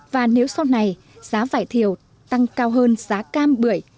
và nếu sau này giá vải thiều tăng cao hơn giá cam bưởi